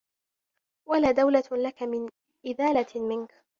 وَلَا دَوْلَةٌ لَك مِنْ إذَالَةٍ مِنْك